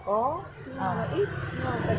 nhưng mà là ít